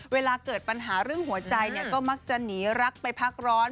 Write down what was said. เวลาเกิดปัญหาเรื่องหัวใจก็มักจะหนีรักไปพักร้อน